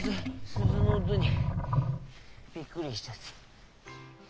鈴の音にびっくりしちゃって。